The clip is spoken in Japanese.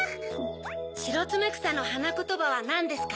シロツメクサのはなことばはなんですか？